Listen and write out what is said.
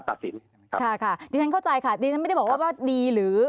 ตัดสินใช่ไหมครับค่ะดิฉันเข้าใจค่ะดิฉันไม่ได้บอกว่าว่าดีหรือ